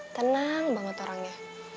tenang banget orangnya